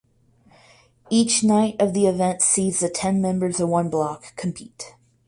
Each night of the event sees the ten members of one block compete.